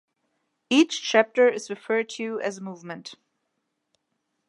Each chapter is referred to as a movement.